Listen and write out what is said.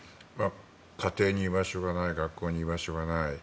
家庭に居場所がない学校に居場所がない。